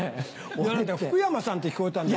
福山さんって聞こえたんだ。